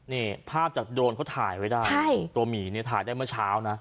นี่ภาพจากโดรนเขาถ่ายไว้ได้ใช่ตัวหมีเนี่ยถ่ายได้เมื่อเช้านะ